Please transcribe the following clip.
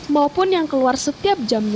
maupun yang keluar setiap jamnya